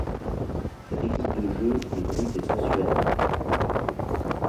Sa technique de jeu est brute et sensuelle à la fois.